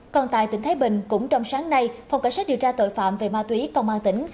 còn tại tỉnh thái bình cũng trong sáng nay phòng cảnh sát điều tra tội phạm về ma túy công an tỉnh